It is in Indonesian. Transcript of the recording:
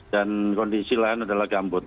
dan kondisi lain adalah gambut